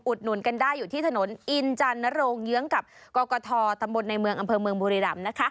หนุนกันได้อยู่ที่ถนนอินจันนโรงเยื้องกับกรกฐตำบลในเมืองอำเภอเมืองบุรีรำนะคะ